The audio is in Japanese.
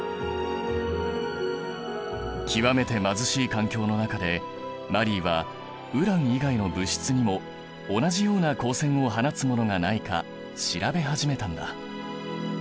極めて貧しい環境の中でマリーはウラン以外の物質にも同じような光線を放つものがないか調べ始めたんだ。